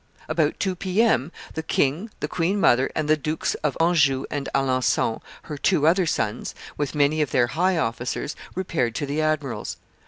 About two P. M., the king, the queen mother, and the Dukes of Anjou and Alencon, her two other sons, with many of their high officers, repaired to the admiral's.